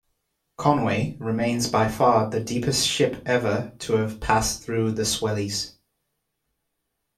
"Conway" remains by far the deepest ship ever to have passed through the Swellies.